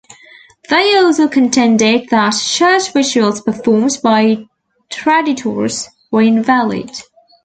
They also contended that church rituals performed by traditores were invalid.